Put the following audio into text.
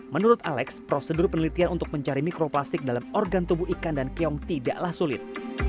menurut alex prosedur penelitian untuk mencari mikroplastik dalam organ tubuh ikan dan keong tidaklah sulit